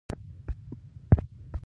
د غرني بادام بوټی اغزنه دی